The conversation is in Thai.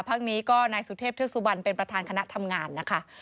พักนี้ก็นายสุเทพเทือกสุบันเป็นประธานคณะทำงานนะคะ